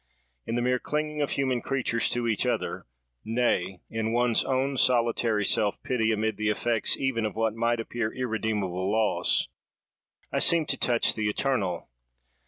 In the mere clinging of human creatures to each other, nay! in one's own solitary self pity, amid the effects even of what might appear irredeemable loss, I seem to touch the eternal.